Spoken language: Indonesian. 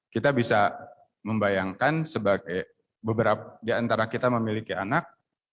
kita bisa membayangkan sebagai beberapa di antara kita memiliki anak